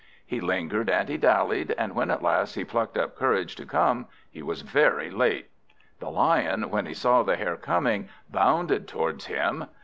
He lingered and he dallied, and when at last he plucked up courage to come, he was very late. The Lion, when he saw the Hare coming, bounded towards him.